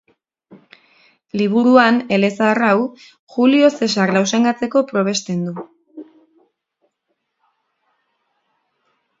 Liburuan, elezahar hau, Julio Zesar lausengatzeko probesten du.